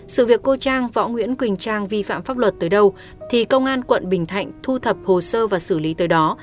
sự việc cô trang võ nguyễn quỳnh trang vi phạm pháp luật tới đâu thì công an quận bình thạnh thu thập hồ sơ và xử lý tới đó